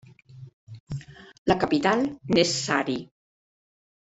La capital n'és Sari.